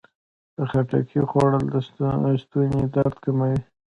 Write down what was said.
د خټکي خوړل د ستوني درد کموي.